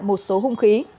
một số hung khí